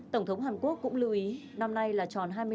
tổng thống hàn quốc cũng lưu ý năm nay là tròn hai